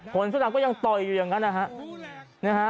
เสื้อดำก็ยังต่อยอยู่อย่างนั้นนะฮะ